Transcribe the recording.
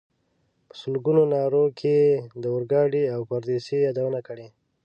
په سلګونو نارو کې یې د اورګاډي او پردیسۍ یادونه کړې.